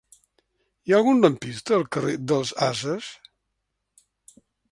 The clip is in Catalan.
Hi ha algun lampista al carrer dels Ases?